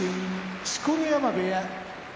錣山部屋